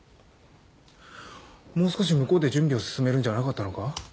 もう少し向こうで準備を進めるんじゃなかったのか？